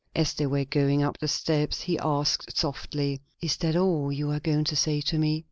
As they were going up the steps he asked softly, "Is that all you are going to say to me?"